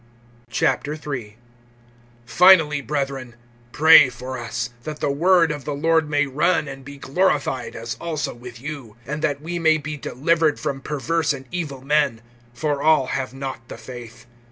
III. FINALLY, brethren, pray for us, that the word of the Lord may run, and be glorified, as also with you; (2)and that we may be delivered from perverse and evil men; for all have not the faith.